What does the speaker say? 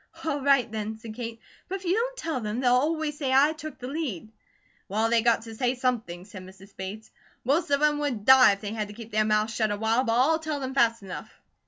"All right then," said Kate, "but if you don't tell them, they'll always say I took the lead." "Well, they got to say something," said Mrs. Bates. "Most of 'em would die if they had to keep their mouths shut awhile; but I'll tell them fast enough."